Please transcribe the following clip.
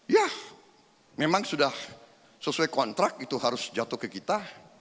ya memang sudah sesuai kontrak itu harus jatuh ke kita